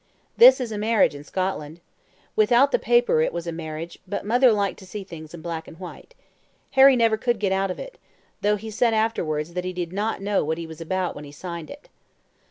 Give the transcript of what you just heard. "This is a marriage in Scotland. Without the paper it was a marriage, but mother liked to see things in black and white. Harry never could get out of it though he said afterwards that he did not know what he was about when he signed it.